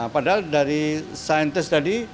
padahal dari saintis tadi